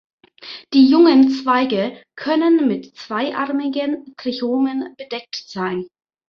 Die jungen Zweige können mit zweiarmigen Trichomen bedeckt sein.